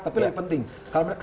tapi lebih penting kalau mereka